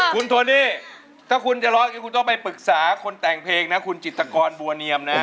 คุณโทนี่ถ้าคุณจะร้องอย่างนี้คุณต้องไปปรึกษาคนแต่งเพลงนะคุณจิตกรบัวเนียมนะ